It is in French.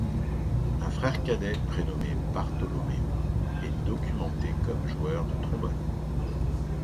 Un frère cadet, prénommé Bartolomeo, est documenté comme joueur de trombone.